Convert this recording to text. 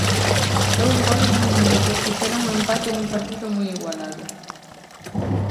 Dous goles nun minuto puxeron o empate nun partido moi igualado.